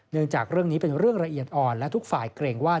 จากเรื่องนี้เป็นเรื่องละเอียดอ่อนและทุกฝ่ายเกรงว่า